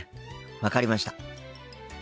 分かりました。